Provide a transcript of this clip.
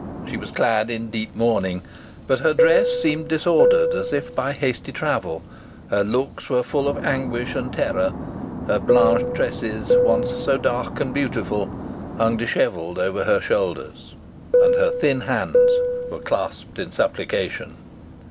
She was clad in deep mourning, but her dress seemed disordered as if by hasty travel. Her looks were full of anguish and terror; her blanched tresses, once so dark and beautiful, hung dishevelled over her shoulders; and her thin hands were clasped in supplication.